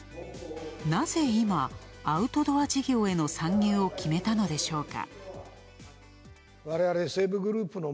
なぜ今、アウトドア事業への参入を決めたのでしょうか？